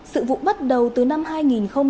sự vụ bắt đầu từ năm hai nghìn một mươi